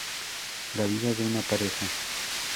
La vida de una pareja.